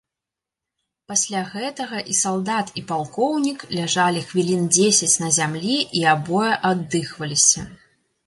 Пасля гэтага і салдат, і палкоўнік ляжалі хвілін дзесяць на зямлі і абое аддыхваліся.